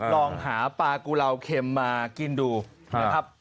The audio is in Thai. ลองหาปลากุลาวเค็มมากินดูนะครับ